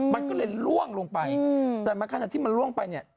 มันก็เลยล่วงลงไปแต่ขณะที่มันล่วงไปเนี่ย